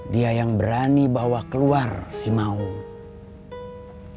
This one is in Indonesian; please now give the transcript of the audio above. dia yang berani bawa keluarga ke sini